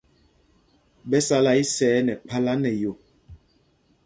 Ɓɛ sala isɛɛ nɛ kphālā nɛ yo.